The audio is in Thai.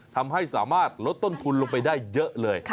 ทำให้สามารถลดต้นทุนลงไปได้เยอะเลย